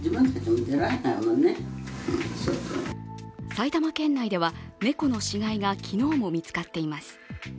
埼玉県内では猫の死骸が昨日も見つかっています。